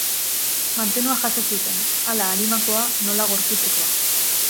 Mantenua jaso zuten, hala arimakoa nola gorputzekoa.